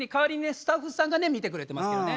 スタッフさんがね見てくれてますけどね。